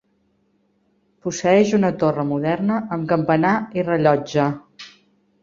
Posseeix una torre moderna amb campanar i rellotge.